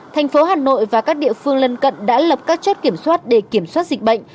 thành phố hà nội và các địa phương lân cận đã lập các chốt kiểm soát để kiểm soát dịch bệnh